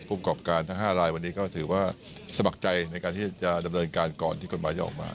ประกอบการทั้ง๕รายวันนี้ก็ถือว่าสมัครใจในการที่จะดำเนินการก่อนที่กฎหมายจะออกมา